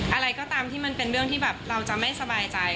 อะไรก็ตามที่มันเป็นเรื่องที่แบบเราจะไม่สบายใจ